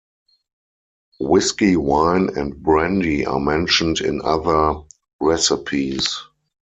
Whisky, Wine, and Brandy are mentioned in other recipes.